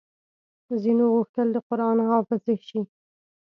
ځينو غوښتل د قران حافظې شي